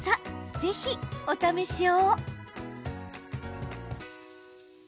ぜひ、お試しを。